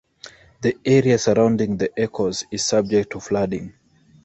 The area surrounding the Ecorse is subject to flooding.